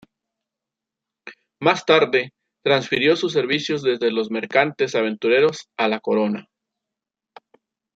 Más tarde, transfirió sus servicios desde los mercantes aventureros a la Corona.